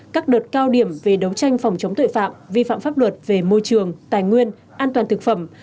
các đợt cao điểm về đấu tranh phòng chống tội phạm vi phạm pháp luật về môi trường tài nguyên an toàn thực phẩm